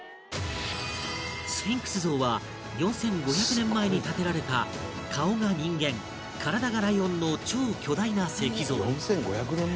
スフィンクス像は４５００年前に建てられた顔が人間体がライオンの超巨大な石像